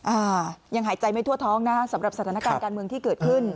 อ่ายังหายใจไม่ทั่วท้องนะฮะสำหรับสถานการณ์การเมืองที่เกิดขึ้น